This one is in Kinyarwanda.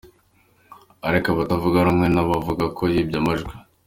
Ariko abatavuga rumwe nawe bavuga ko yibye amajwi.